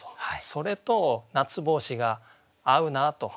それと「夏帽子」が合うなと。